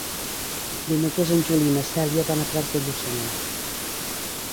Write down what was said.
Dimecres en Juli i na Cèlia van a Prats de Lluçanès.